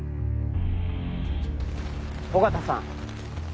緒方さん。